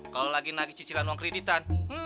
kalau lagi nagih cicilan uang kreditan